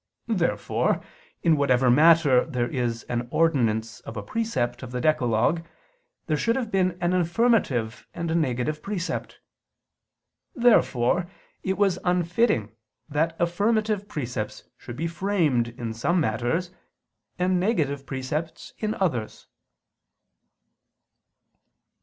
Therefore in whatever matter there is an ordinance of a precept of the decalogue, there should have been an affirmative and a negative precept. Therefore it was unfitting that affirmative precepts should be framed in some matters, and negative precepts in others.